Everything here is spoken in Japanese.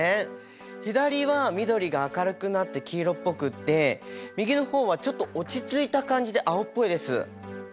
左は緑が明るくなって黄色っぽくって右の方はちょっと落ち着いた感じで青っぽいです。